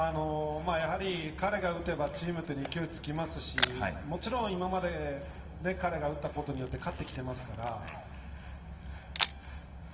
彼が打てばチームの勢いがつきますしもちろん今まで彼が打ったことによって勝ってきていますから。